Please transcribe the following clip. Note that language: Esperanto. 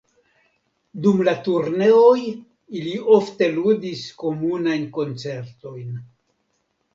Dum la turneoj ili ofte ludis komunajn koncertojn.